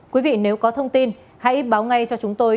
quý vị nếu có thông tin hãy báo ngay cho chúng tôi